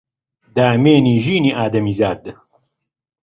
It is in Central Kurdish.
دامێنی ژینی ئادەمیزاد